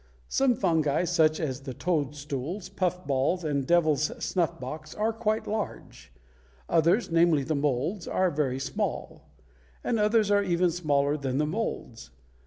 Some fungi, such as the toadstools, puffballs, and devil's snuff box, are quite large; others, namely the molds, are very small; and others are even smaller than the molds.